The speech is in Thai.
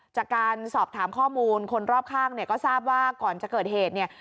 จากการสอบถามข้อมูลคนรอบข้างเนี่ยก็ทราบว่าก่อนจะเกิดเหตุเนี่ย